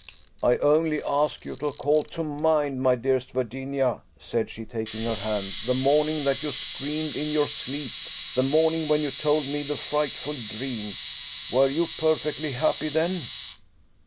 "I only ask you to call to mind, my dearest Virginia," said she, taking her hand, "the morning that you screamed in your sleep, the morning when you told me the frightful dream were you perfectly happy then?"